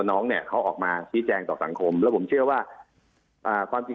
น้องเนี่ยเขาออกมาชี้แจงต่อสังคมแล้วผมเชื่อว่าความจริง